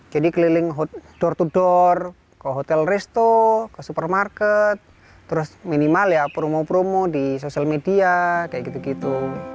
jadi keliling door to door ke hotel resto ke supermarket terus minimal ya promo promo di sosial media kayak gitu gitu